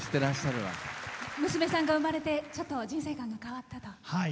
娘さんが生まれて人生観が変わったと。